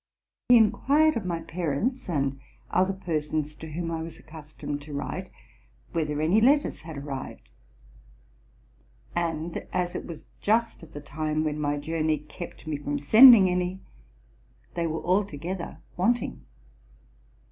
He inquired of my parents and other persons to whom I was accustomed to write, whether any letters had arrived ; and, as it was just at the time when my journey kept me from send ing any, they were altogether wanting.